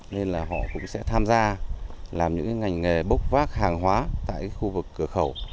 nên là họ cũng sẽ tham gia làm những ngành nghề bốc vác hàng hóa tại khu vực cửa khẩu